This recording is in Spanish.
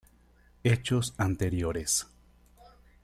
Hechos anteriores.